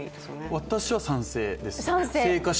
私は賛成です。